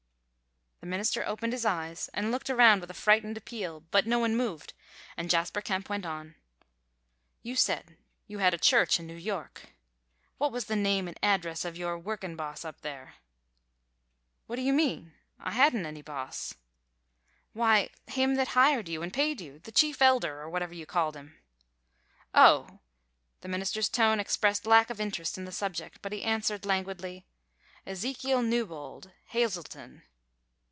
The minister opened his eyes and looked around with a frightened appeal, but no one moved, and Jasper Kemp went on: "You say you had a church in New York. What was the name and address of your workin' boss up there?" "What do you mean? I hadn't any boss." "Why, him that hired you an' paid you. The chief elder or whatever you called him." "Oh!" The minister's tone expressed lack of interest in the subject, but he answered, languidly, "Ezekiel Newbold, Hazelton."